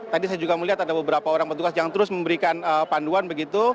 tadi saya juga melihat ada beberapa orang petugas yang terus memberikan panduan begitu